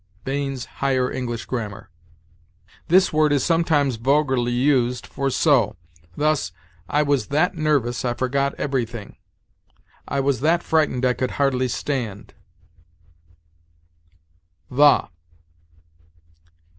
Bain's "Higher English Grammar." This word is sometimes vulgarly used for so; thus, "I was that nervous I forgot everything"; "I was that frightened I could hardly stand."